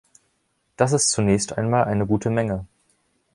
Das ist zunächst einmal eine gute Menge.